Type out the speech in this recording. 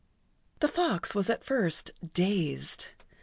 The fox was at first dazed.